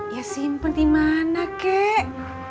ya simpen dimana kek